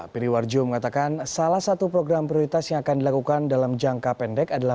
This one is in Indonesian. periwarjo mengatakan salah satu program prioritas yang akan dilakukan dalam jangka pendek adalah